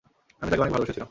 আমি তাকে অনেক ভালোবেসছিলাম!